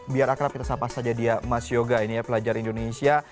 biar akrab kita sapa saja dia mas yoga ini ya pelajar indonesia